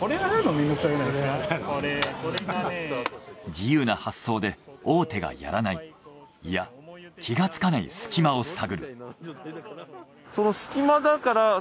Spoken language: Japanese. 自由な発想で大手がやらないいや気がつかないすき間を探る。